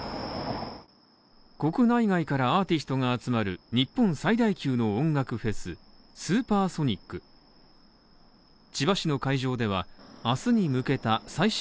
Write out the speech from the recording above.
国内外からアーティストが集まる日本最大級の音楽フェス・ＳＵＰＥＲＳＯＮＩＣ。